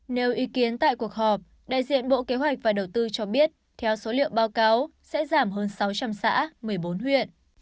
nếu ý kiến tại cuộc họp đại diện bộ kế hoạch và đầu tư cho biết theo số liệu báo cáo sẽ giảm hơn sáu trăm linh xã một mươi bốn huyện